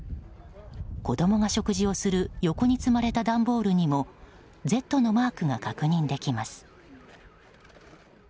子供が食事をする横に積まれた段ボールにも「Ｚ」のマークが確認できます。